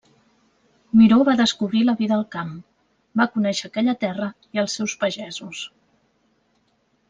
Miró va descobrir la vida al camp, va conèixer aquella terra i els seus pagesos.